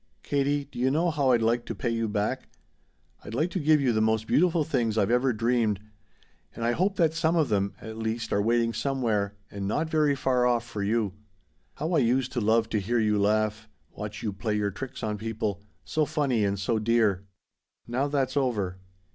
"Katie, do you know how I'd like to pay you back? I'd like to give you the most beautiful things I've ever dreamed. And I hope that some of them, at least, are waiting somewhere and not very far off for you. How I used to love to hear you laugh watch you play your tricks on people so funny and so dear "Now that's over.